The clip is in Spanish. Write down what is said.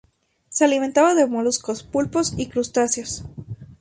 Se alimentaba de moluscos, pulpos y crustáceos.